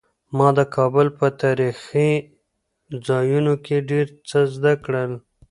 ما د کابل په تاریخي ځایونو کې ډېر څه زده کړل.